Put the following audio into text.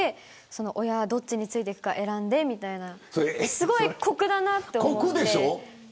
親はどっちについていくか選んでみたいなすごい酷だなと思って。